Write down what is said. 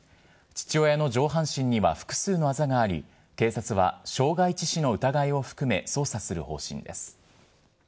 父親の上半身には複数のあざがあり、警察は傷害致死の疑いを含め捜査する方針です。